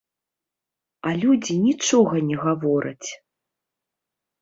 А людзі нічога не гавораць.